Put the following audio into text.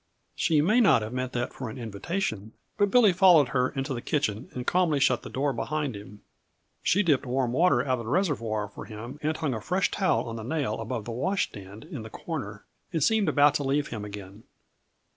She may not have meant that for an invitation, but Billy followed her into the kitchen and calmly shut the door behind him. She dipped warm water out of the reservoir for him and hung a fresh towel on the nail above the washstand in the corner, and seemed about to leave him again.